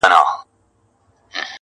• د پوه سړي دوستي زیان نه لري -